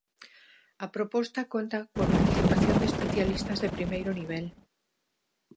A proposta conta coa participación de especialistas de primeiro nivel.